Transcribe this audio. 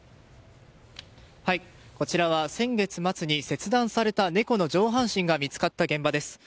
こちらは先月末に切断された猫の上半身が見つかった現場です。